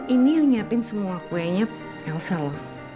ini yang nyiapin semua kuenya elsa lho